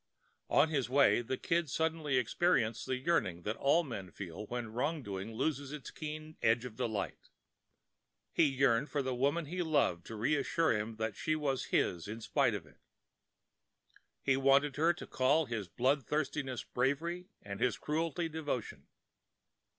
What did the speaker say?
On his way the Kid suddenly experienced the yearning that all men feel when wrong doing loses its keen edge of delight. He yearned for the woman he loved to reassure him that she was his in spite of it. He wanted her to call his bloodthirstiness bravery and his cruelty devotion.